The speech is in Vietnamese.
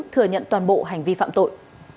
thừa nhận toàn bộ hành vi phạm tội